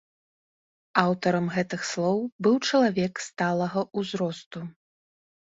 Аўтарам гэтых слоў быў чалавек сталага ўзросту.